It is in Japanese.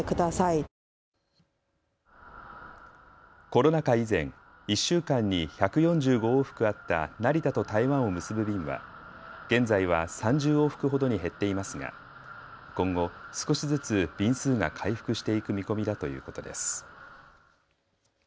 コロナ禍以前、１週間に１４５往復あった成田と台湾を結ぶ便は現在は３０往復ほどに減っていますが今後、少しずつ便数が回復していく見込みだということです。